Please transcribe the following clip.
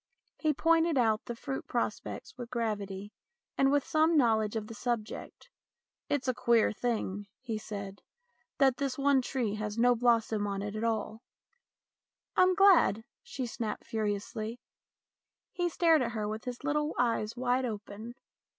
He pointed out the fruit prospects with gravity and with some know ledge of the subject. " It's a queer thing," he said, " that this one tree has got no blossom on it at all." " I'm glad," she snapped furiously. He stared at her with his little eyes wide open.